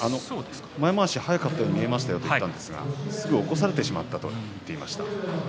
前まわしが速かったように見えましたよと言いましたがすぐ起こされてしまったと話していました。